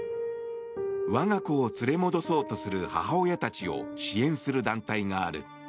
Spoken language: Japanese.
我が子を連れ戻そうとする母親たちを支援する団体がある。